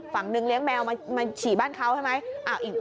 ฝั่งนึงเลี้ยงแมวมาฉี่บ้านเขาใช่ไหม